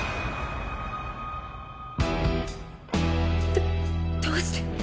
どどうして。